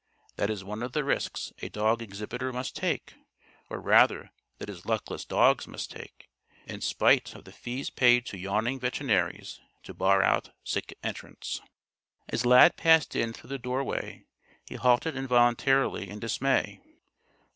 That is one of the risks a dog exhibitor must take or rather that his luckless dogs must take in spite of the fees paid to yawning veterinaries to bar out sick entrants. As Lad passed in through the doorway, he halted involuntarily in dismay.